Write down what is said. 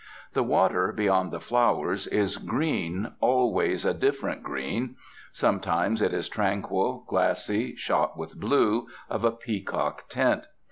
The water, beyond the flowers, is green, always a different green. Sometimes it is tranquil, glassy, shot with blue, of a peacock tint.